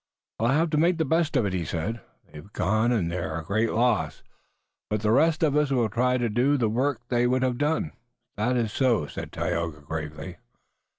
"We'll have to make the best of it," he said. "They've gone and they're a great loss, but the rest of us will try to do the work they would have done." "That is so," said Tayoga, gravely.